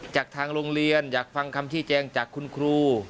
จากทางโรงเรียนอยากฟังคำชี้แจงจากคุณครู